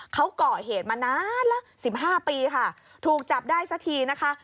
เขาก่อเหตุมานานละ๑๕ปีค่ะถูกจับได้สักทีนะคะ